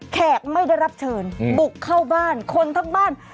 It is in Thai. แขกไม่ได้รับเชิญบุกเข้าบ้านคนทั้งบ้าน